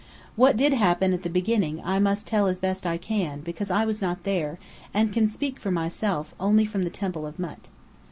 What did happen at the beginning I must tell as best I can, because I was not there, and can speak for myself only from the Temple of Mût.